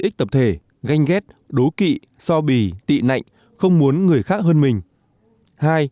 ích tập thể ganh ghét đố kị so bì tị nạnh không muốn người khác hơn mình